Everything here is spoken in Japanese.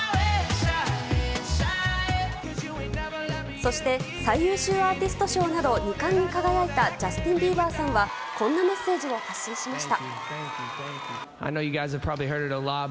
そして最優秀アーティスト賞など２冠に輝いたジャスティン・ビーバーさんはこんなメッセージを発信しました。